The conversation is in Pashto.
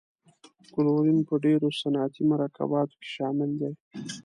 کلورین په ډیرو صنعتي مرکباتو کې شامل دی.